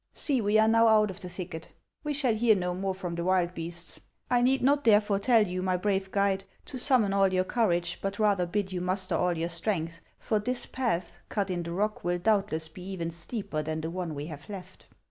See, we are now out of the thicket ; we shall hear no more from the wild beasts ; I need not 234 HANS OF ICELAND. therefore tell you, rny brave guide, to summon all your courage, but rather bid you muster all your strength, for */*/ O this path, cut iii the rock, will doubtless be even steeper than the one we have left."